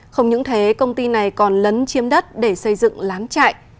không những thế công ty này còn lấn chiếm đất để xây dựng lán chạy